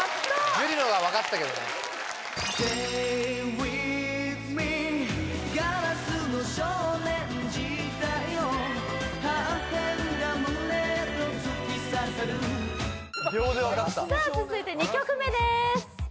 樹のが分かってたけどねさあ続いて２曲目です・